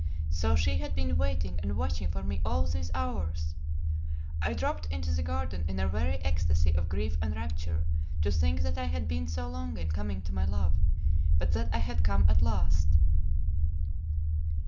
So she had been waiting and watching for me all these hours! I dropped into the garden in a very ecstasy of grief and rapture, to think that I had been so long in coming to my love, but that I had come at last.